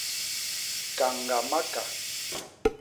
Kañga maka.